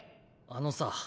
あのさ